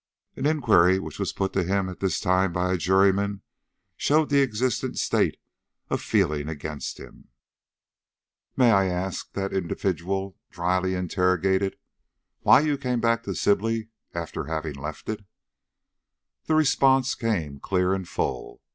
An inquiry which was put to him at this time by a juryman showed the existent state of feeling against him. "May I ask," that individual dryly interrogated, "why you came back to Sibley, after having left it?" The response came clear and full.